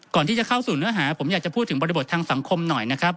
ก่อนที่จะเข้าสู่เนื้อหาผมอยากจะพูดถึงบริบททางสังคมหน่อยนะครับ